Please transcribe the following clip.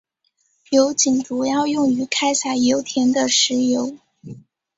油井主要用于开采油田的石油。